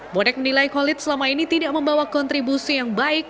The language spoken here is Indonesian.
bonek menilai khalid selama ini tidak membawa kontribusi yang baik